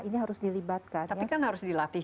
ini harus dilibatkan tapi kan harus dilatih